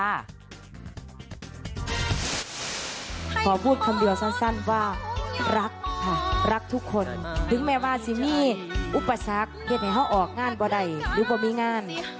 ขอพูดคำเดียวสั้นว่ารักทุกคนถึงแม่บ้านซินี่อุปสรรคเหตุไหนเขาออกงานกว่าไหนหรือความมีงาน